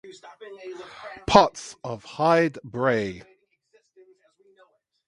Potts of Hyde Brae.